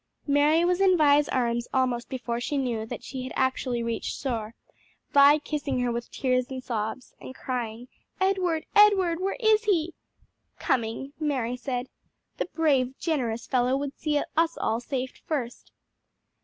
Mary was in Vi's arms almost before she knew that she had actually reached shore; Vi kissing her with tears and sobs, and crying, "Edward, Edward, where is he?" "Coming," Mary said, "the brave, generous fellow would see us all safe first."